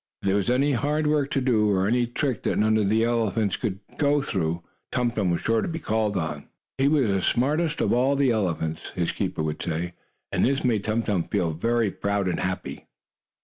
If there was anything hard to do, or any trick that none of the other elephants could go through, Tum Tum was sure to be called on. "He is the smartest elephant of all," his keeper would say, and this made Tum Tum feel very proud and happy.